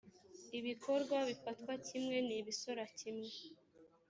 ibikorwa bifatwa kimwe ni ibisora kimwe